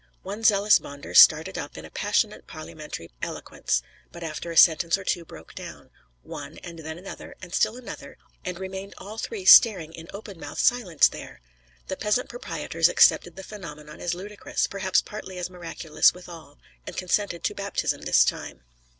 One zealous Bonder started up in passionate parliamentary eloquence; but after a sentence or two broke down; one, and then another, and still another, and remained all three staring in open mouthed silence there! The peasant proprietors accepted the phenomenon as ludicrous, perhaps partly as miraculous withal, and consented to baptism this time.